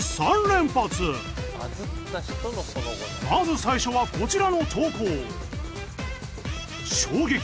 まず最初はこちらの投稿。